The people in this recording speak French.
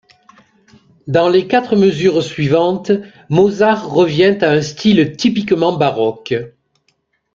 Dans les quatre mesures suivantes, Mozart revient à un style typiquement baroque.